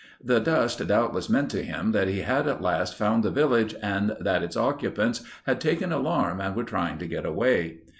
The dust doubtless meant to him that he had at last found the village and that its occupants had taken alarm and were trying to get away.